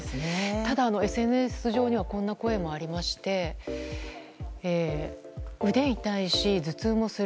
ただ、ＳＮＳ上ではこんな声もありまして腕痛いし、頭痛もする。